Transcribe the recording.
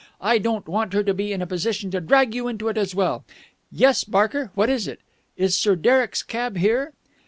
I don't want her to be in a position to drag you into it as well. Yes, Barker, what is it? Is Sir Derek's cab here?"